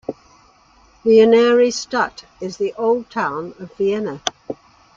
The Innere Stadt is the Old Town of Vienna.